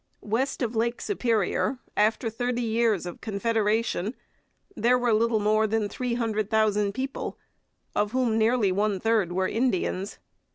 West of Lake Superior, after thirty years of Confederation, there were little more than three hundred thousand people, of whom nearly one third were Indians.